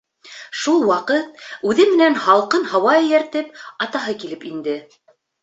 Шул ваҡыт, үҙе менән һалҡын һауа эйәртеп, атаһы килеп инде.